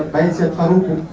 baik siap parupu